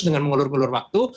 dengan mengulur ulur waktu